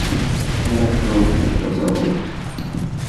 Ale trudny to zawód.